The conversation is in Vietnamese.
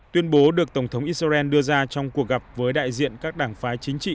tuyên bố được tổng thống israel đưa ra trong cuộc gặp với đại diện các đảng phái chính trị